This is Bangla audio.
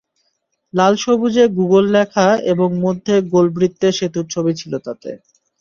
লাল-সবুজে গুগল লেখা এবং মধ্যে গোল বৃত্তে সেতুর ছবি ছিল তাতে।